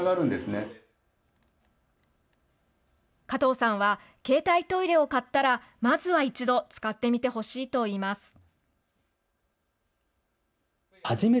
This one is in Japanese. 加藤さんは携帯トイレを買ったらまずは一度、使ってみてほしいといいます。